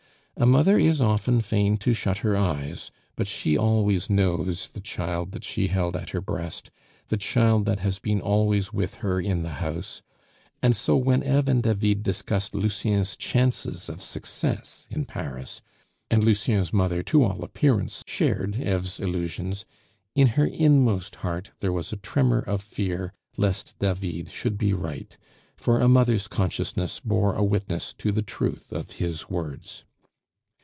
A mother is often fain to shut her eyes, but she always knows the child that she held at her breast, the child that has been always with her in the house; and so when Eve and David discussed Lucien's chances of success in Paris, and Lucien's mother to all appearance shared Eve's illusions, in her inmost heart there was a tremor of fear lest David should be right, for a mother's consciousness bore a witness to the truth of his words.